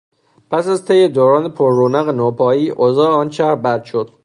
پس از طی دوران پررونق نوپایی، اوضاع آن شهر بد شد.